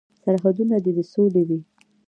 سرحدونه دې د سولې وي.